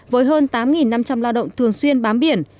với hơn tám năm trăm linh lao động thường xuyên bám biển